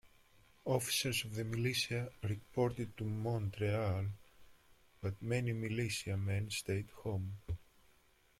Officers of the militia reported to Montreal, but many militia men stayed home.